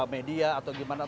media atau gimana